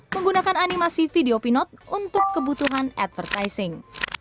menganimasi video pinot untuk kebutuhan advertising